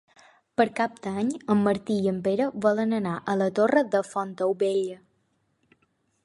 Per Cap d'Any en Martí i en Pere volen anar a la Torre de Fontaubella.